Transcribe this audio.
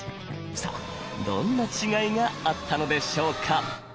さあどんな違いがあったのでしょうか。